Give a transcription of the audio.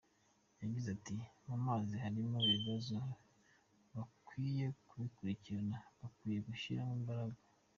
Yagize ati “Mu mazi harimo ikibazo bakwiye kubikurikirana, bakwiye gushyiramo imbaraga.